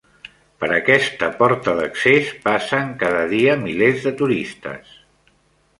Per aquesta porta d'accés passen cada dia milers de turistes.